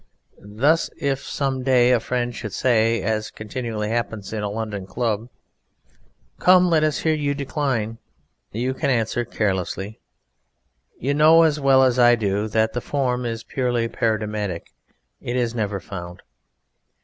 Thus, if some day a friend should say, as continually happens in a London club: "Come, let us hear you decline [Greek: tetummenos on]," you can answer carelessly: "You know as well as I do that the form is purely Paradigmatic: it is never found."